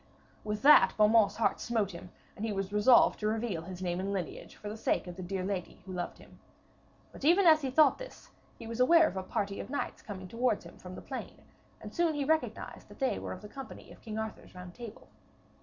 With that Beaumains' heart smote him, and he was resolved to reveal his name and lineage for the sake of the dear lady who loved him. But even as he thought this, he was aware of a party of knights coming towards him from the plain, and soon he recognised that they were of the company of King Arthur's Round Table.